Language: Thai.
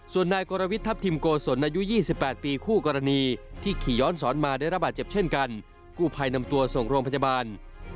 ส่วนนายกรวิททัพทิมโกศลอายุ๒๘ปีคู่กรณีที่ขี่ย้อนสอนมาได้ระบาดเจ็บเช่นกันกู้ภัยนำตัวส่งโรงพยาบาล